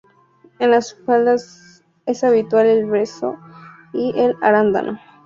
En las faldas es habitual el brezo y el arándano.